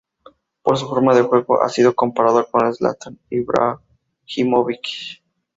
Por su forma de juego, ha sido comparado con Zlatan Ibrahimović.